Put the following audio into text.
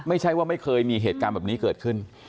ไม่ใช่ว่าไม่เคยมีเหตุการณ์แบบนี้เกิดขึ้น